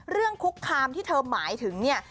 คุกคามที่เธอหมายถึงเนี่ย